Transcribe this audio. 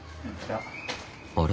あれ？